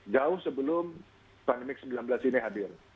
jauh sebelum pandemik sembilan belas ini hadir